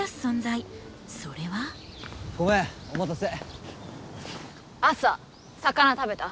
ごめんお待たせ。